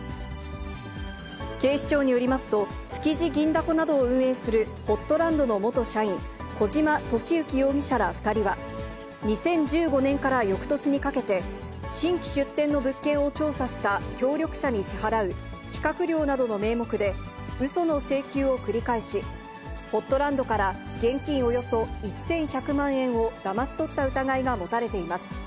警視庁によりますと、築地銀だこなどを運営するホットランドの元社員、小島敏之容疑者ら２人は、２０１５年からよくとしにかけて、新規出店の物件を調査した協力者に支払う企画料などの名目で、うその請求を繰り返し、ホットランドから現金およそ１１００万円をだまし取った疑いが持たれています。